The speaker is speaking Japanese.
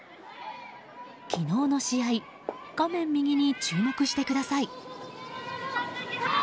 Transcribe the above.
昨日の試合画面右に注目してください。